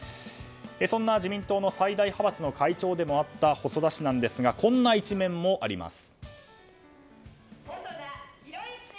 そんな自民党の最大派閥の会長でもあった細田氏なんですがこんな一面もあります。